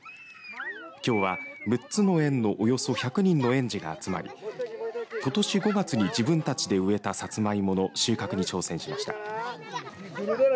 きょうは６つの園のおよそ１００人の園児が集まりことし５月に自分たちで植えたさつまいもの収穫に挑戦しました。